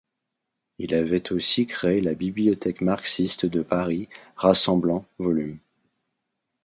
Il avait aussi créé la Bibliothèque marxiste de Paris rassemblant volumes.